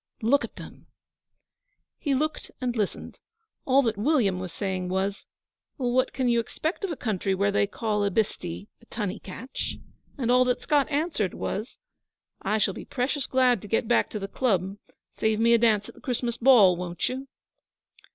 Look at them!' He looked and listened. All that William was saying was: 'What can you expect of a country where they call a bhistee [a water carrier] a tunni cutch?' and all that Scott answered was: 'I shall be precious glad to get back to the Club. Save me a dance at the Christmas ball, won't you?'